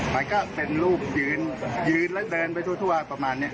มันก็เป็นรูปยืนยืนแล้วเดินไปทั่วประมาณนี้